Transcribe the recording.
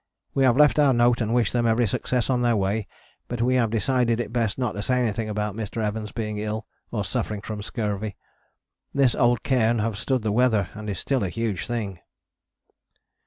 We have left our note and wished them every success on their way, but we have decided it is best not to say anything about Mr. Evans being ill or suffering from scurvy. This old cairn have stood the weather and is still a huge thing.